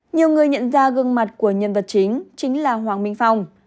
nhiều người nhận ra gương mặt của nhân vật chính chính là hoàng minh phong